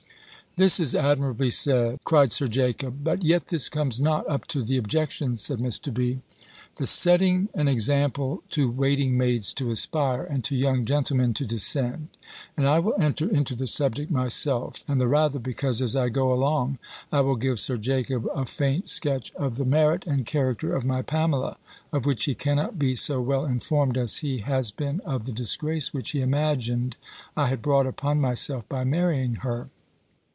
"This is admirably said," cried Sir Jacob. "But yet this comes not up to the objection," said Mr. B. "The setting an example to waiting maids to aspire, and to young gentlemen to descend. And I will enter into the subject myself; and the rather, because as I go along, I will give Sir Jacob a faint sketch of the merit and character of my Pamela, of which he cannot be so well informed as he has been of the disgrace which he imagined I had brought upon myself by marrying her.